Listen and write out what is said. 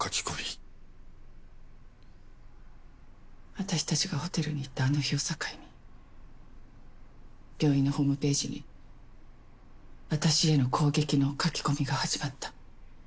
私たちがホテルに行ったあの日を境に病院のホームページに私への攻撃の書き込みが始まった。